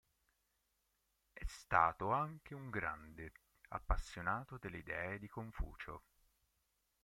È stato anche un grande appassionato delle idee di Confucio.